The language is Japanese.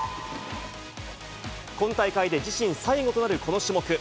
今大会で自身最後となるこの種目。